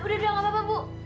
eh udah udah gak apa apa bu